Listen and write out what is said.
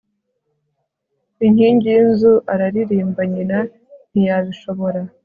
inkingi y'inzu araririmba, ''. nyina ntiyabishobora